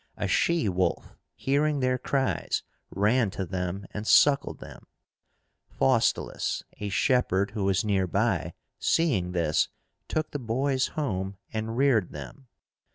A she wolf, hearing their cries, ran to them and suckled them. FAUSTULUS, a shepherd who was near by, seeing this, took the boys home and reared them.